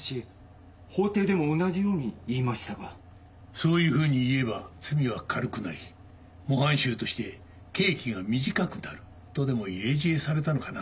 そういうふうに言えば罪は軽くなり模範囚として刑期が短くなるとでも入れ知恵されたのかな？